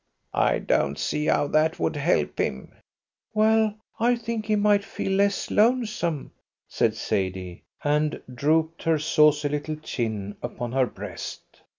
"I don't see how that would help him." "Well, I think he might feel less lonesome," said Sadie, and drooped her saucy little chin upon her breast.